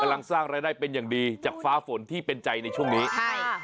สร้างรายได้เป็นอย่างดีจากฟ้าฝนที่เป็นใจในช่วงนี้ใช่ค่ะ